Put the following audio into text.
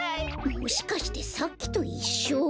もしかしてさっきといっしょ？